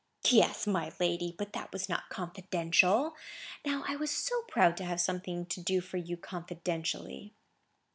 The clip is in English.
"Yes, my lady; but that was not confidential. Now I was so proud to have something to do for you confidentially."